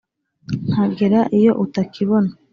Nkagera iyo utakibona,